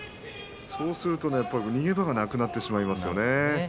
そうすると逃げ場がなくなってしまいますね。